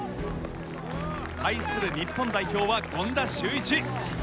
対する日本代表は権田修一。